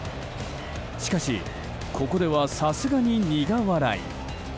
しかし、ここではさすがに苦笑い。